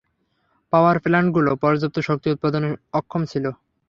পাওয়ার প্ল্যান্টগুলো পর্যাপ্ত শক্তি উৎপাদনে অক্ষম ছিল।